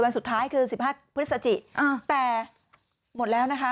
สุดท้ายคือ๑๕พฤศจิแต่หมดแล้วนะคะ